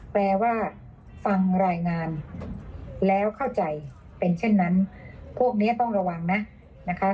แปลว่าฟังรายงานแล้วเข้าใจเป็นเช่นนั้นพวกนี้ต้องระวังนะนะคะ